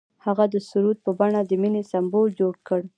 هغه د سرود په بڼه د مینې سمبول جوړ کړ.